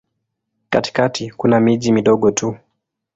Katikati kuna miji midogo tu.